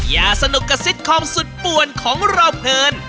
อย่าสนุกกระซิบคอมสุดป่วนของเราเพลิน